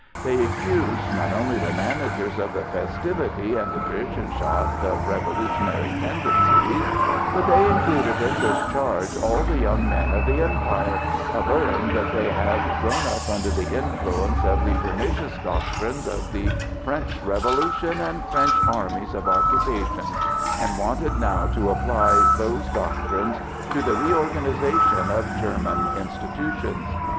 They accused not only the managers of the festivity and the Burschenschaft of revolutionary tendencies, but they included in this charge all the young men of the Empire, averring that they had grown up under the influence of the pernicious doctrines of the French Revolution and French armies of occupation, and wanted now to apply those doctrines to the reorganization of German institutions.